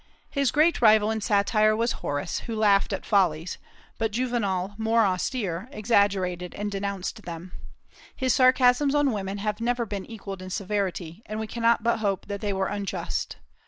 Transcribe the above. His great rival in satire was Horace, who laughed at follies; but Juvenal, more austere, exaggerated and denounced them. His sarcasms on women have never been equalled in severity, and we cannot but hope that they were unjust.